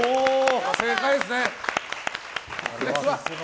正解ですね。